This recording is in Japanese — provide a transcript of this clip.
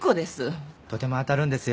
とても当たるんですよ。